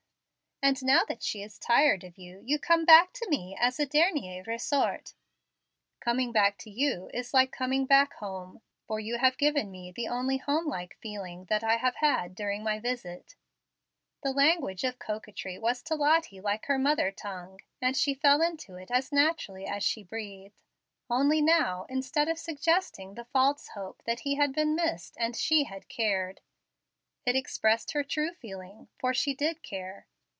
"And now that she is tired of you, you come back to me as a dernier ressort." "Coming back to you, is like coming back home, for you have given me the only home like feeling that I have had during my visit." The language of coquetry was to Lottie like her mother tongue, and she fell into it as naturally as she breathed. Only now, instead of suggesting the false hope that he had been missed and she had cared, it expressed her true feeling, for she did care.